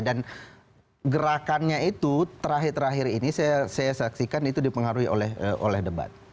dan gerakannya itu terakhir terakhir ini saya saksikan itu dipengaruhi oleh debat